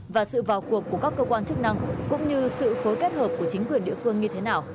và sự vào cuộc của các cơ quan chức năng cũng như sự phối kết hợp của chính quyền địa phương như thế nào